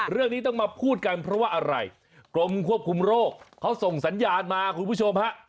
เรื่องนี้ต้องมาพูดกันเพราะว่าอะไรกรมควบคุมโรคเขาส่งสัญญาณมาคุณผู้ชมฮะ